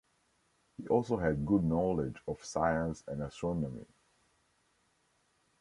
He also had good knowledge of science and astronomy.